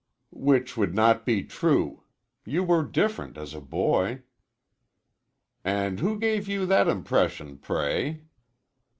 "Which would not be true. You were different, as a boy." "And who gave you that impression, pray?"